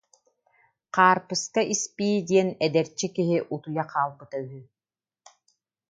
Хаарпыска Испии диэн эдэрчи киһи утуйа хаалбыта үһү